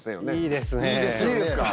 いいですか。